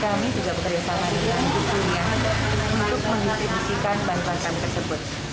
kami juga bekerja sama dengan gus durian untuk mendistribusikan bantuan kami tersebut